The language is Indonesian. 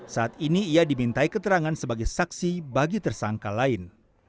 saat ini ia dimintai keterangan sebagai saksi bagi tersangka lain